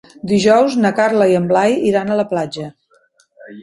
Dijous na Carla i en Blai iran a la platja.